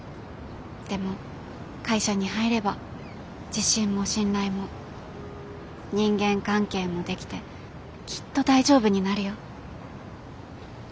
でも会社に入れば自信も信頼も人間関係もできてきっと大丈夫になるよ。